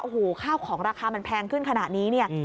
โอ้โหข้าวของราคามันแพงขึ้นขนาดนี้เนี่ย